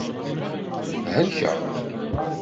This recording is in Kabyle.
Thelkeḍ.